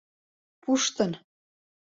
Пуштын!